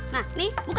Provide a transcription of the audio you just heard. nah ini buka